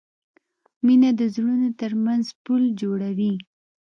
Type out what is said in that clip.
مینه د زړونو ترمنځ پُل جوړوي.